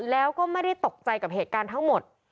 แล้วก็ไม่ได้ตกใจกับเหตุการณ์ทั้งหมด